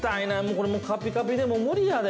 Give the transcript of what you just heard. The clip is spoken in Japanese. これ、もうカピカピでもう無理やで。